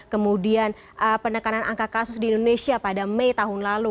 kemudian penekanan angka kasus di indonesia pada mei tahun lalu